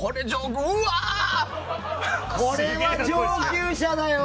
これは上級者だよ。